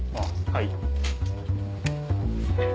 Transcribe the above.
はい。